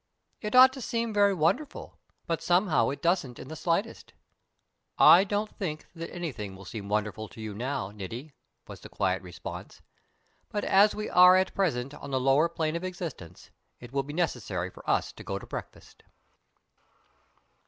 It ought to seem very wonderful, but somehow it doesn't in the slightest." "I don't think that anything will seem wonderful to you now, Niti," was the quiet response. "But as we are at present on the lower plane of existence, it will be necessary for us to go to breakfast."